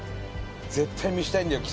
絶対見せたいんだよ